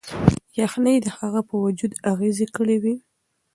یخنۍ د هغه په وجود اغیز کړی و.